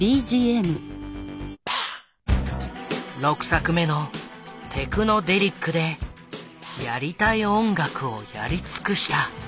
６作目の「テクノデリック」でやりたい音楽をやり尽くした。